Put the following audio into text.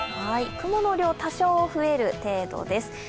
雲の量、多少増える程度です。